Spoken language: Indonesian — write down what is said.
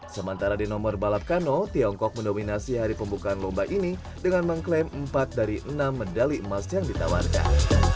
sementara di nomor balap kano tiongkok mendominasi hari pembukaan lomba ini dengan mengklaim empat dari enam medali emas yang ditawarkan